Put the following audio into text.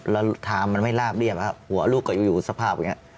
แล้วทางมันไม่ลาบเรียบหัวลูกก็อยู่สภาพอย่างนี้